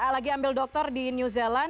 lagi ambil doktor di new zealand